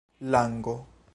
lango